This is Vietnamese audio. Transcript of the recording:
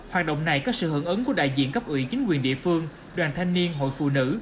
hoạt động này có sự hưởng ứng của đại diện cấp ủy chính quyền địa phương đoàn thanh niên hội phụ nữ